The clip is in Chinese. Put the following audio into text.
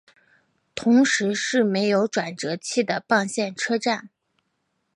同时是没有转辙器的棒线车站。